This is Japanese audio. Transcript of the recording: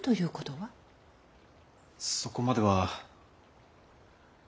そこまでは。